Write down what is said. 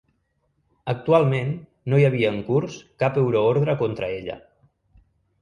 Actualment no hi havia en curs cap euroordre contra ella.